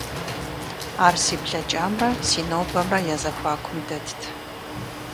Ар си блэкӀамрэ си нобэмрэ я зэхуакум дэтт.